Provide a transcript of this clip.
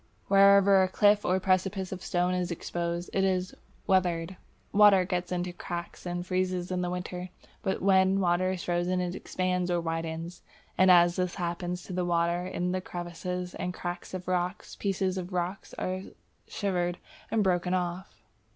Wherever a cliff or precipice of stone is exposed, it is "weathered." Water gets into the cracks and freezes in winter. But when water is frozen it expands or widens, and as this happens to the water in the crevices and cracks of rocks, pieces of rock are shivered and broken off.